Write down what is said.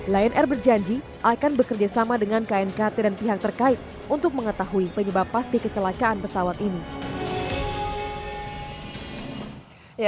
lion air berjanji akan bekerjasama dengan knkt dan pihak terkait untuk mengetahui penyebab pasti kecelakaan pesawat ini